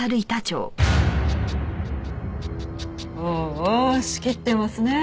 おおおお仕切ってますねえ。